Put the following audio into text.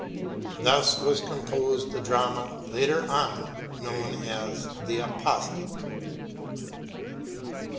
Thus was composed the drama later on known as The Apostate.